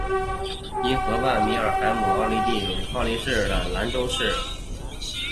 因河畔米尔海姆是奥地利上奥地利州因克赖斯地区里德县的一个市镇。